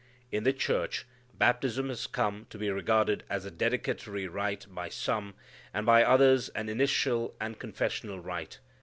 In the church, baptism has come to be regarded as a dedicatory rite by some, and by others an initial and confessional rite.